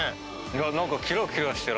何かキラキラしてらっしゃる。